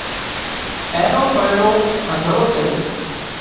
اين نو سانئيڙو هڌرو سي